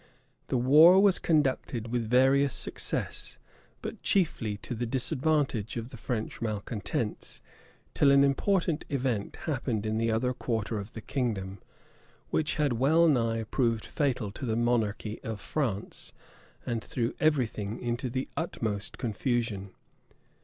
The war was conducted with various success, but chiefly to the disadvantage of the French malecontents; till an important event happened in the other quarter of the kingdom, which had well nigh proved fatal to the monarchy of France, and threw every thing into the utmost confusion.